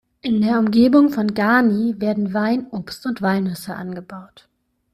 In der Umgebung von Garni werden Wein, Obst und Walnüsse angebaut.